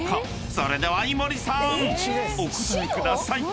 ［それでは井森さーんお答えください］